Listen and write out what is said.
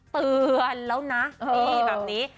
เตือนแล้วนะนี่แบบนี้